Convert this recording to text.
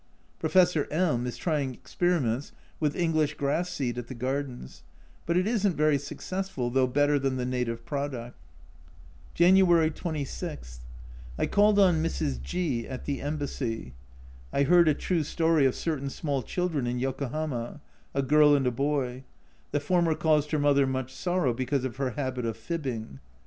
Professor M is trying experiments with English grass seed at the gardens, but it isn't very successful, though better than the native product. January 26. I called on Mrs. G at the Embassy. I heard a true story of certain small children in Yokohama, a girl and a boy : the former caused her mother much sorrow because of her habit of fibbing.